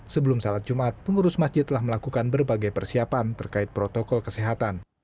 sebelum salat jumat pengurus masjid telah melakukan berbagai persiapan terkait protokol kesehatan